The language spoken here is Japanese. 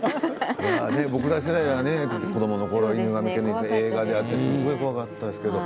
僕ら世代は子どものころに「犬神家の一族」、映画で見てすごい怖かったですけど。